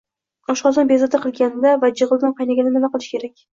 Oshqozon bezovta qilganda va jig‘ildon qaynaganda nima qilish kerak?